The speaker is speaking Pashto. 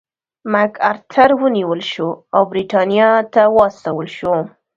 مک ارتر ونیول شو او برېټانیا ته واستول شو.